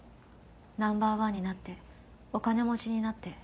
「ナンバーワンになってお金持ちになって」